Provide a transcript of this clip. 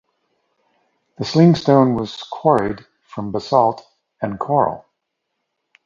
The sling stone was quarried from basalt and coral.